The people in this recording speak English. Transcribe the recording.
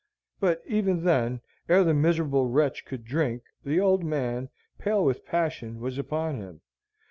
But even then, ere the miserable wretch could drink, the old man, pale with passion, was upon him.